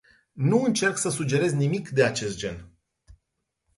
Nu încerc să sugerez nimic de acest gen.